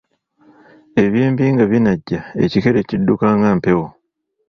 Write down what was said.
Eby'embi nga binajja ekikere kidduka nga mpewo!